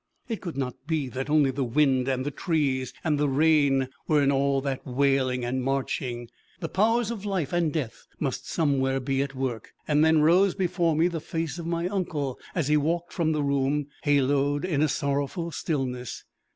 It could not be that only the wind and the trees and the rain were in all that wailing and marching! The Powers of life and death must somewhere be at work! Then rose before me the face of my uncle, as he walked from the room, haloed in a sorrowful stillness.